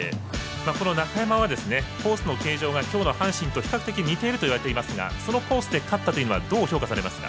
中山は、コースの形状がきょうの阪神と比較的似ているといわれていますがそのコースで勝ったというのはどう評価されますか？